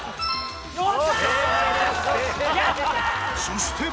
そして。